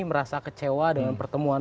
merasa kecewa dengan pertemuan